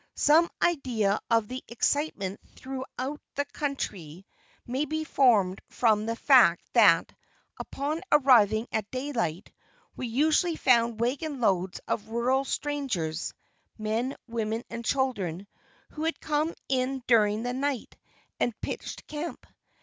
Some idea of the excitement throughout the country, may be formed from the fact that, upon arriving at daylight, we usually found wagon loads of rural strangers men, women and children who had come in during the night, and "pitched camp."